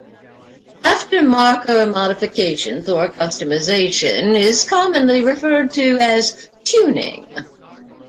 After-marker modifications or customization is commonly referred to as tuning.